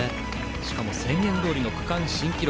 しかも、宣言どおりの区間新記録。